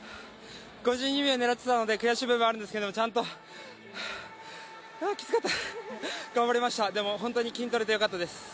５２秒を狙っていたので悔しい部分はあるんですけどちゃんとああ、きつかった、頑張りました、でも本当に金とれて良かったです。